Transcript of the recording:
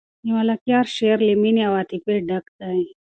د ملکیار شعر له مینې او عاطفې ډک دی.